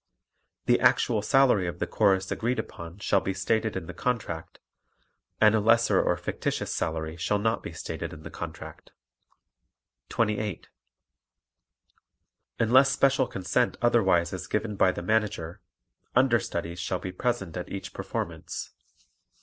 The actual salary of the Chorus agreed upon shall be stated in the contract and a lesser or fictitious salary shall not be stated in the contract. 28. Unless special consent otherwise is given by the Manager, understudies shall be present at each performance.